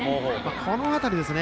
この辺りですよね。